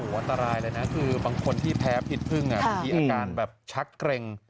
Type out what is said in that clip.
อันตรายเลยนะคือบางคนที่แพ้พิษพึ่งบางทีอาการแบบชักเกร็ง